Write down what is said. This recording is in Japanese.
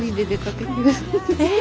ええ！